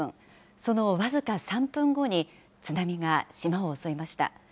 その僅か３分後に津波が島を襲いました。